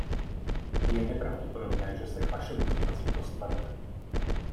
Je nepravděpodobné, že se k vašemu dotazu dostaneme.